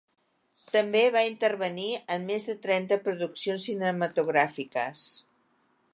També va intervenir en més de trenta produccions cinematogràfiques.